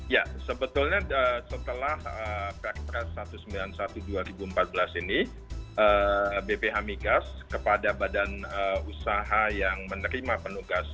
ya sebetulnya setelah perpres satu ratus sembilan puluh satu dua ribu empat belas ini bph migas kepada badan usaha yang menerima penugasan